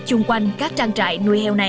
trung quanh các trang trại nuôi heo này